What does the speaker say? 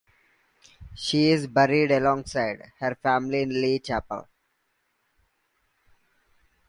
She is buried alongside her family in Lee Chapel.